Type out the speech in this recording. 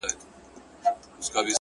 د درد د كړاوونو زنده گۍ كي يو غمى دی!!